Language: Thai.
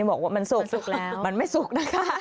บอกว่ามันสุกแล้วมันไม่สุกนะคะ